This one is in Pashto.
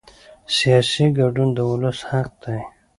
سیاسي ګډون د ولس حق دی